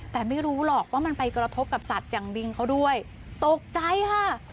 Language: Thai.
แต่ไม่รู้หรอกว่ามันไปกระทบกับสัตว์อย่างดิงเขาด้วยตกใจค่ะ